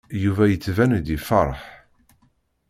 Yuba yettban-d yefṛeḥ.